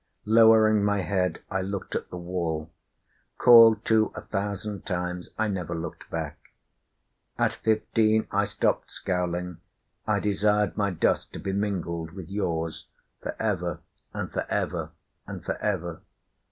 Lowering my head, I looked at the wall. Called to, a thousand times, I never looked back. At fifteen I stopped scowling, I desired my dust to be mingled with yours Forever and forever, and forever.